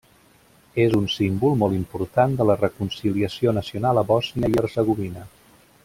És un símbol molt important de la reconciliació nacional a Bòsnia i Hercegovina.